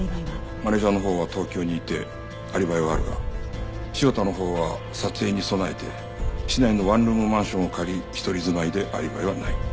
マネジャーのほうは東京にいてアリバイはあるが潮田のほうは撮影に備えて市内のワンルームマンションを借り一人住まいでアリバイはない。